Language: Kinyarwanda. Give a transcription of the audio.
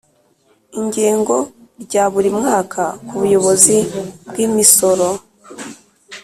Ingengo rya buri mwaka ku Buyobozi bw Imisoro